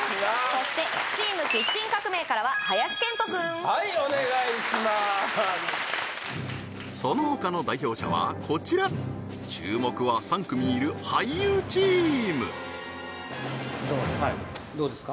そしてチームキッチン革命からは林遣都くんはいお願いしまーすそのほかの代表者はこちら注目は３組いる俳優チーム磯村くんどうですか？